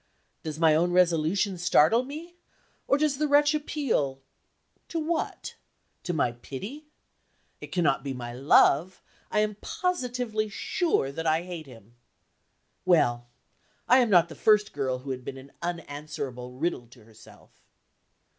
Does my own resolution startle me? Or does the wretch appeal to what? To my pity? It cannot be my love; I am positively sure that I hate him. Well, I am not the first girl who had been an unanswerable riddle to herself.